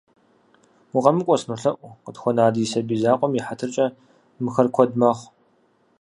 - УкъэмыкӀуэ, сынолъэӀу, къытхуэна ди сабий закъуэм и хьэтыркӀэ, мыхэр куэд мэхъу.